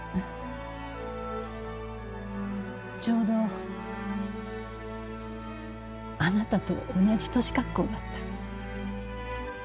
ちょうどあなたと同じ年格好だった。